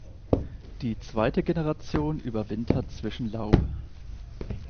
Die zweite Generation überwintert zwischen Laub.